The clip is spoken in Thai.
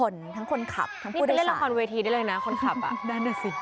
ได้นะสิ